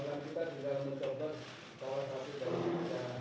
dan kita akan memperbaiki